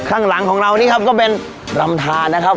ข้างหลังของเรานี่ครับก็เป็นลำทานนะครับ